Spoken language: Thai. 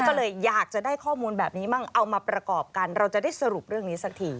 ก็เลยอยากจะได้ข้อมูลแบบนี้มั่งเอามาประกอบกันเราจะได้สรุปเรื่องนี้สักที